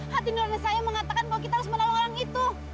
hati nurani saya mengatakan bahwa kita harus menolong orang itu